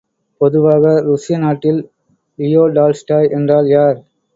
பொதுவாக ருஷ்ய நாட்டில் லியோடால்ஸ்டாய் என்றால் யார்?